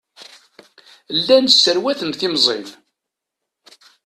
Llan sserwaten timẓin.